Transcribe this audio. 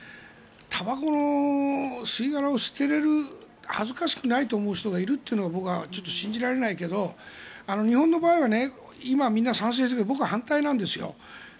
たばこの吸い殻を捨てれる恥ずかしくないと思う人がいるっていうのが僕はちょっと信じられないけど日本の場合は今みんな賛成するけど僕は反対なんですよ。